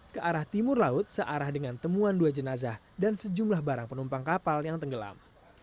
ke arah timur laut searah dengan temuan dua jenazah dan sejumlah barang penumpang kapal yang tenggelam